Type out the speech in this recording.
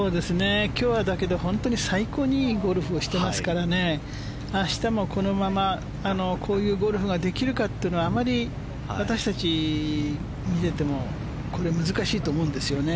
今日は、だけど最高にいいゴルフをしてますからね明日もこのままこういうゴルフができるかというのはあまり私たち見ていても難しいと思うんですよね